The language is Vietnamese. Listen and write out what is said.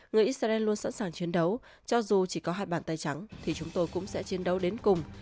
người israel luôn sẵn sàng chiến đấu cho dù chỉ có hai bàn tay trắng thì chúng tôi cũng sẽ chiến đấu đến cùng